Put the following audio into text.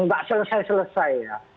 enggak selesai selesai ya